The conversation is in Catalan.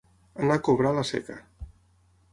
Anar a cobrar a la Seca.